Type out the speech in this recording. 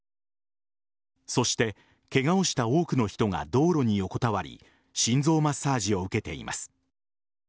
そしてケガをした多くの人が道路に横たわり心臓マッサージを受けています。